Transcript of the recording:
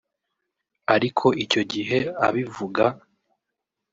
Ariko icyo gihe abivuga